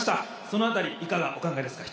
その辺りいかがお考えですか？